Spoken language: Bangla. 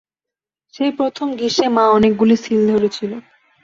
সেই প্রথম গ্রীষ্মে মা অনেকগুলি সিল ধরেছিল।